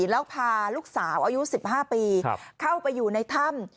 แล้วพาลูกสาวอายุ๑๕ปีเข้าไปอยู่ในถ้ำ